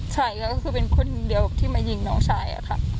ใช่แล้วก็คือเป็นคนเดียวที่มายิงน้องชายอะค่ะ